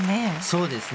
そうですね。